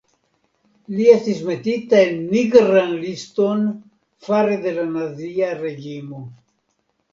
Li estis metita en Nigran liston fare de la Nazia reĝimo.